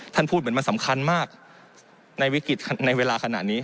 พูดเหมือนมันสำคัญมากในวิกฤตในเวลาขนาดนี้